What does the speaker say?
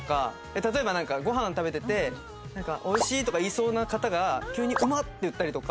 例えばなんかごはんを食べてて「おいしい！」とか言いそうな方が急に「ウマッ！」って言ったりとか。